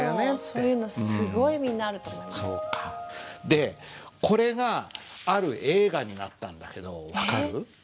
そういうのこれがある映画になったんだけど分かる？